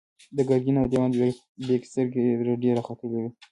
د ګرګين او دېوان بېګ سترګې رډې راختلې وې.